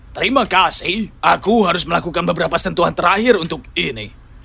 terima kasih aku harus melakukan beberapa sentuhan terakhir untuk ini